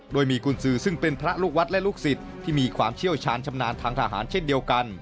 โดยมีกุญสือซึ่งเป็นพระลูกวัดและลูกศิษย์ที่มีความเชี่ยวชาญชำนาญทางทหารเช่นเดียวกัน